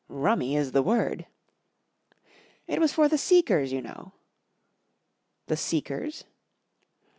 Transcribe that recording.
" Rummy is the word." 44 It was for The Seekers, you know ."" The Seekers